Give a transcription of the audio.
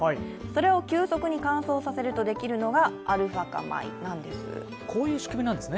それを急速に乾燥させるとできるのがアルファ化米なんです。